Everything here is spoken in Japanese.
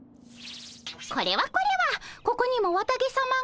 これはこれはここにも綿毛さまが。